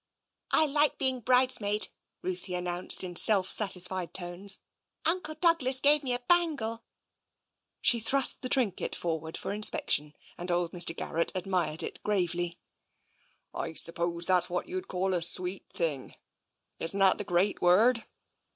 '' I like being bridesmaid," Ruthie announced in self satisfied tones. " Uncle Douglas gave me a bangle.'* She thrust the trinket forward for inspection, and old Mr. Garrett admired it gravely. "I suppose that's what you call a sweet thing? Isn't that the great word?